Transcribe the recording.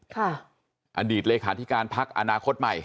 ค่ะอดีตเลยค่ะที่การพักอนาคตใหม่